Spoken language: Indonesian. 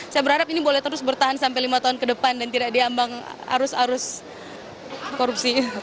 saya berharap ini boleh terus bertahan sampai lima tahun ke depan dan tidak diambang arus arus korupsi